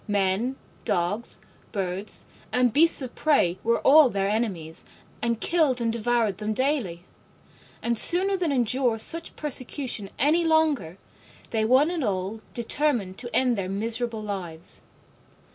Men, dogs, birds and beasts of prey were all their enemies, and killed and devoured them daily: and sooner than endure such persecution any longer, they one and all determined to end their miserable lives.